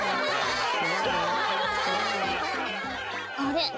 あれ？